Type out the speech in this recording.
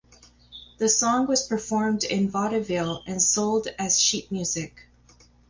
The song was performed in vaudeville and sold as sheet music.